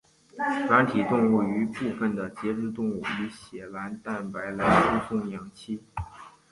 软体动物与部分的节肢动物以血蓝蛋白来输送氧气。